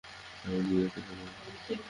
আমি নিজেও তো সাদামাটা।